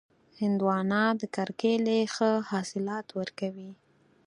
هندوانه د کرکېلې ښه حاصلات ورکوي.